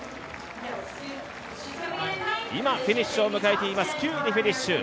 今、フィニッシュを迎えています、９位でフィニッシュ。